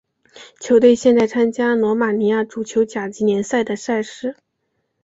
球队现在参加罗马尼亚足球甲级联赛的赛事。